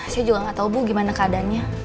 saya juga gak tau bu gimana keadaannya